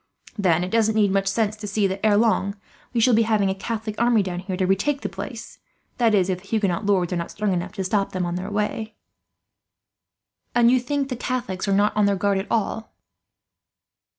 Then it doesn't need much sense to see that, ere long, we shall be having a Catholic army down here to retake the place; that is, if the Huguenot lords are not strong enough to stop them on their way." "And you think the Catholics are not on their guard at all?"